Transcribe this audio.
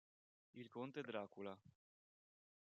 Il conte Dracula